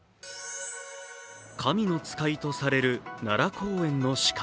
神の使いとされる奈良公園の鹿。